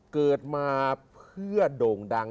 เกิดมาเพื่อโด่งดัง